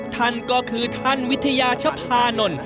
ท่านก็คือท่านวิทยาชภานนท์